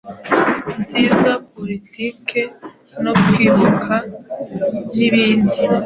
nziza politiki no kwibuka nibindi